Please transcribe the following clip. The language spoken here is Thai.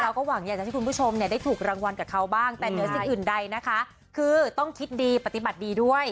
เราก็หวังอยากจะให้คุณผู้ชมเนี่ยได้ถูกรางวัลกับเขาบ้างแต่เหนือสิ่งอื่นใดนะคะคือต้องคิดดีปฏิบัติดีด้วย